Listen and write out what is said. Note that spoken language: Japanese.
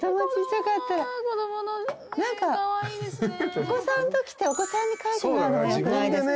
お子さんと来てお子さんに描いてもらうのよくないですか？